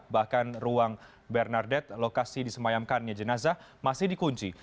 bahkan ruang bernardet lokasi disemayamkannya jenazah masih dikunci